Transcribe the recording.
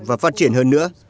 và phát triển hơn nữa